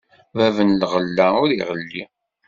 Bab n lɣella, ur iɣelli.